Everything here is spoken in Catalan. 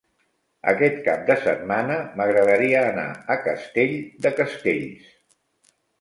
Aquest cap de setmana m'agradaria anar a Castell de Castells.